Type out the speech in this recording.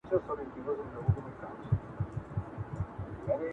درته خبره كوم,